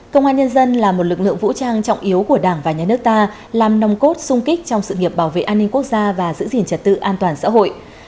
công an nhân dân là một lực lượng vũ trang trọng yếu của đảng và nhà nước ta làm nồng cốt sung kích trong sự nghiệp bảo vệ an ninh quốc gia và giữ gìn trật tự an toàn xã hội